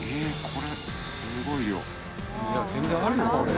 これすごい量。